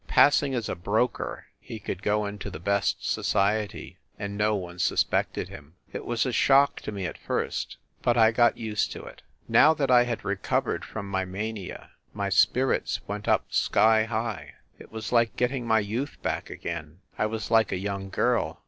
Pass ing as a broker, he could go into the best society and no one suspected him. It was a shock to me at first, but I got used to it. Now that I had recovered from my mania, my spir its went up sky high. It was like getting my youth back again. I was like a young girl.